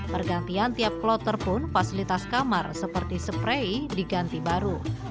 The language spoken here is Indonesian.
pergantian tiap kloter pun fasilitas kamar seperti spray diganti baru